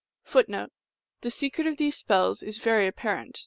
1 1 The secret of these spells is very apparent.